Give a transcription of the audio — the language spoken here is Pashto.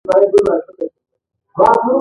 یو سړی مړ و او په وینو لیت پیت و.